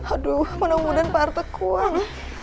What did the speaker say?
aduh menemudan pak arta kuang